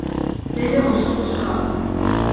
Теве Ошун ушкал.